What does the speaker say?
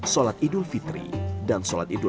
sholat idul sholat dan sholat khusus